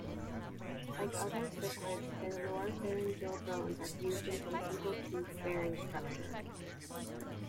Like other cichlids, their lower pharyngeal bones are fused into a single tooth-bearing structure.